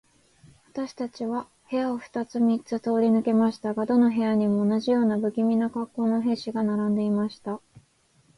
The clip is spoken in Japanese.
私たちは部屋を二つ三つ通り抜けましたが、どの部屋にも、同じような無気味な恰好の兵士が並んでいました。